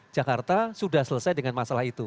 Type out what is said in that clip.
jakarta sudah selesai dengan masalah itu